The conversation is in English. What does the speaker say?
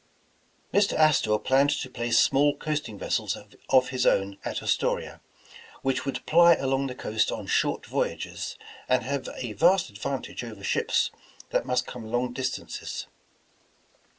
Mr. Astor planned to place small coasting vessels of his own at Astoria, which would ply along the coast on short voyages, and have a vast advantage over ships that must come long distances.